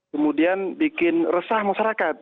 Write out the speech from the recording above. kemudian bikin resah masyarakat